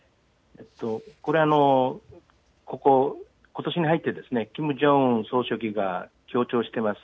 これ、ことしに入ってキム・ジョンウン総書記が強調しています